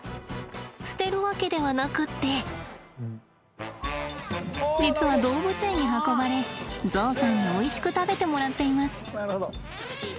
捨てるわけではなくって実は動物園に運ばれゾウさんにおいしく食べてもらっています。